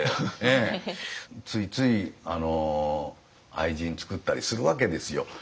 ついつい愛人作ったりするわけですよ。